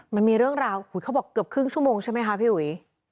มันมีเรื่องราวเขาบอกเกือบครึ่งชั่วโมงใช่ไหมคะพี่อุ๋ย